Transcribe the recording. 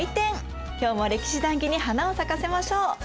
今日も歴史談義に花を咲かせましょう。